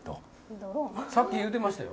さっき言うてましたよ。